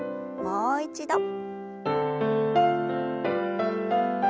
もう一度。